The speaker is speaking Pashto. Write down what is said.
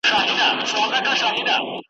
محتسبه غوږ دي کوڼ که نغمه نه یم نغمه زار یم .